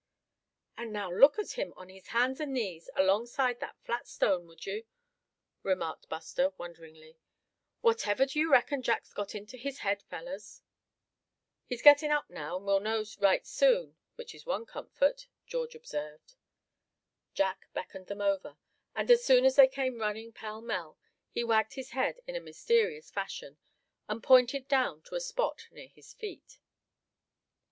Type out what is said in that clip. "And now look at him on his hands and knees, alongside that flat stone, would you?" remarked Buster, wonderingly. "Whatever do you reckon Jack's got in his head, fellers?" "He's getting up now, and we'll know right soon, which is one comfort," George observed. Jack beckoned them over, and as soon as they came running pell mell, he wagged his head in a mysterious fashion, and pointed down to a spot near his feet.